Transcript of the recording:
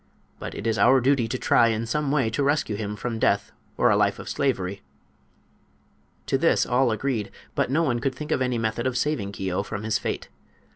But it is our duty to try in some way to rescue him from death or a life of slavery." To this all agreed, but no one could think of any method of saving Keo from his fate.